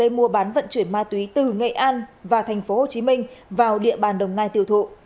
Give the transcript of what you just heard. mua bán vận chuyển ma túy từ nghệ an và tp hcm vào địa bàn đồng nai tiêu thụ